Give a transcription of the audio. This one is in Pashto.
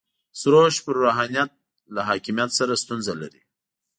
سروش پر روحانیت له حاکمیت سره ستونزه لري.